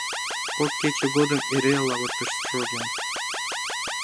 Кок кече годым эре лавыртыш шоген.